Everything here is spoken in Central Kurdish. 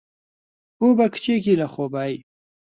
بوو بە کچێکی لەخۆبایی.